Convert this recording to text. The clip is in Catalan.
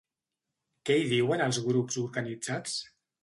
Què hi diuen els grups organitzats?